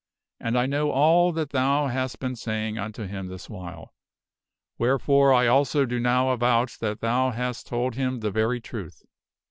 And I know all that thou hast been saying unto him this while; wherefore I also do now avouch that thou hast told him the very truth.